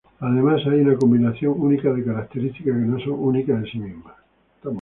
Además, hay una combinación única de características que no son únicas en sí mismas.